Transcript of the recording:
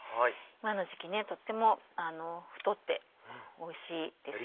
今の時期とっても太っておいしいですよね。